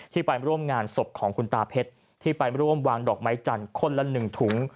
ไปร่วมงานศพของคุณตาเพชรที่ไปร่วมวางดอกไม้จันทร์คนละ๑ถุง